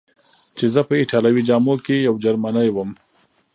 چې زه په ایټالوي جامو کې یو جرمنی ووم.